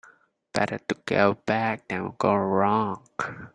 Better to go back than go wrong.